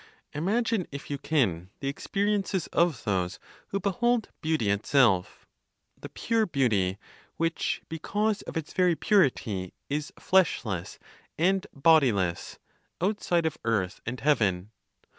Imagine, if you can, the experiences of those who behold Beauty itself, the pure Beauty, which, because of its very purity, is fleshless and bodiless, outside of earth and heaven.